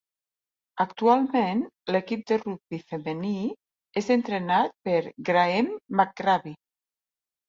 Actualment, l'equip de rugbi femení és entrenat per Graeme McGravie.